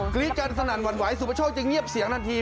รีดกันสนั่นหวั่นไหวสุประโชคจึงเงียบเสียงทันที